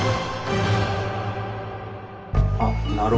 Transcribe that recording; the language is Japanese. あっなるほど。